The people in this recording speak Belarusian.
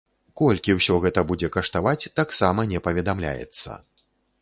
Колькі ўсё гэта будзе каштаваць, таксама не паведамляецца.